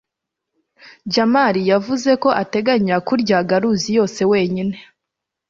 jamali yavuze ko ateganya kurya garuzi yose wenyine